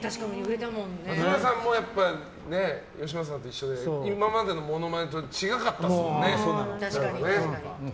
松村さんもよしまささんと一緒で今までのモノマネと違かったですもんね。